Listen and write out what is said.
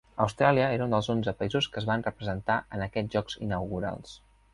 Austràlia era un dels onze països que es van representar en aquests Jocs inaugurals.